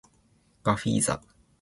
ガフィーザ